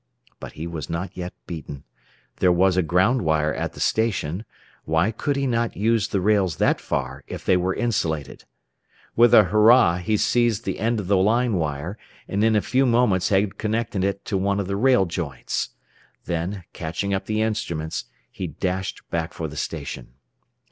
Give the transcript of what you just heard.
But he was not yet beaten. There was a ground wire at the station. Why could he not use the rails that far, if they were insulated? With a hurrah he seized the end of the line wire, and in a few moments had connected it to one of the rail joints. Then, catching up the instruments, he dashed back for the station.